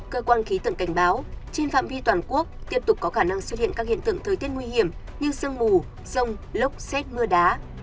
cơ quan khí tượng cảnh báo trên phạm vi toàn quốc tiếp tục có khả năng xuất hiện các hiện tượng thời tiết nguy hiểm như sương mù rông lốc xét mưa đá